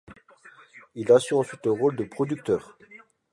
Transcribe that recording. Il assure ensuite le rôle de producteur.